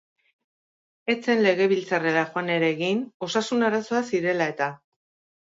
Ez zen Legebiltzarrera joan ere egin, osasun arazoak zirela-eta.